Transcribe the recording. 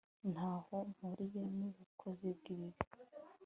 nta ho mpuriye n'ubukozi bw'ibibi